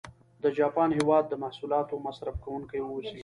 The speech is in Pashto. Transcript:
د جاپان هېواد د محصولاتو مصرف کوونکي و اوسي.